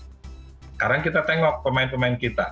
sekarang kita tengok pemain pemain kita